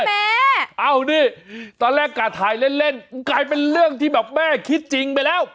แม่เอานี่ตอนแรกกะถ่ายเล่นกลายเป็นเรื่องที่แบบแม่คิดจริงไปแล้ว